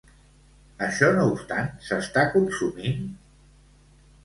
Això no obstant, s'està consumint?